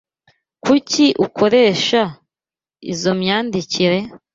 Kuki ukoresha izoi myandikire?